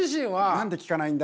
何で聞かないんだ？